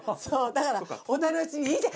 だからお楽しみいいじゃん！